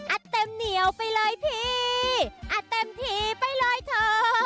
เต็มเหนียวไปเลยพี่อัดเต็มทีไปเลยเถอะ